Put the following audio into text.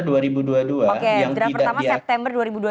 oke draft pertama september dua ribu dua puluh